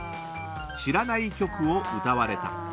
知らない曲を歌われた。